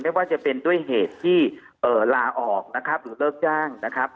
ไม่ว่าจะเป็นด้วยเหตุที่ลาออกนะครับหรือเลิกจ้างนะครับ